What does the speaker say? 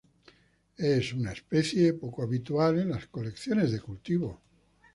Es una especie poco habitual en las colecciones de cultivo.